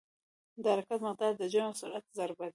د حرکت مقدار د جرم او سرعت ضرب دی.